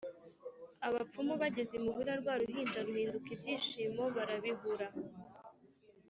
abapfumu Bageze imuhira rwa ruhinja ruhinduka ibishyimbo barabihura